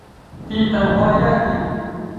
تیں تنخوا یایئ تھی